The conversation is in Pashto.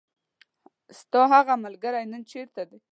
ستاهغه ملګری نن چیرته ده .